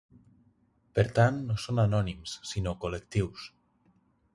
Per tant no són anònims sinó col·lectius.